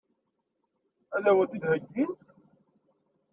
Ad wen-t-id-heggint?